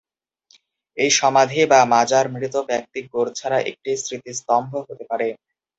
এই সমাধি বা মাজার মৃত ব্যক্তি গোর ছাড়া একটি স্মৃতিস্তম্ভ হতে পারে।